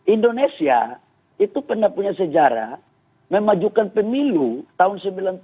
indonesia itu pernah punya sejarah memajukan pemilu tahun sembilan puluh tujuh